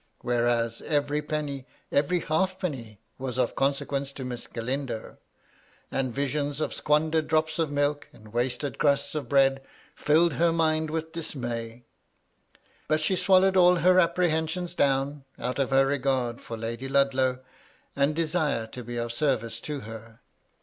Whereas every penny— every halfpenny, was of consequence to Miss Galindo ; and visions of squandered drops of milk and wasted crusts of bread filled her mind with dismay. But she swallowed all her apprehensions down, out of her regard for Lady Ludlow, and desire to be of ser vice to her.